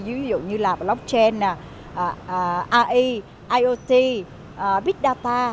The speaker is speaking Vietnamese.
ví dụ như blockchain ai iot big data